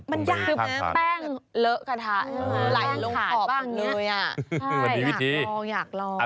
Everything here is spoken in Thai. มันยากนะแป้งเลอะกระทะไหลลงขอบตรงนี้มันมีวิธีอยากลองอยากลอง